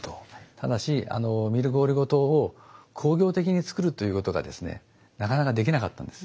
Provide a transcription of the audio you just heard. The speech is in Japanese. ただしミルクオリゴ糖を工業的に作るということがですねなかなかできなかったんです。